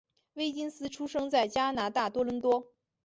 威金斯出生在加拿大多伦多。